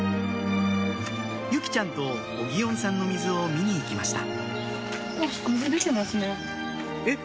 由季ちゃんとお祇園さんの水を見に行きましたえっ？